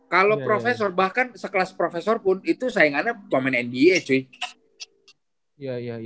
kalau profesor bahkan sekelas profesor pun itu sayangannya pemain nba sih